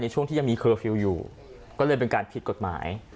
ช่วงที่ยังมีเคอร์ฟิลล์อยู่ก็เลยเป็นการผิดกฎหมาย